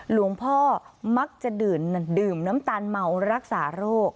หลวงพ่อมักจะดื่มน้ำตาลเมารักษาโรค